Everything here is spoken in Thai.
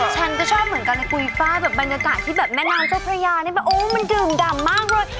ฉันก็ชอบเหมือนกับในกุยฟ้าแบบบรรยากาศที่แม่น้ำเจ้าพระยามันดื่มด่ำมากเลย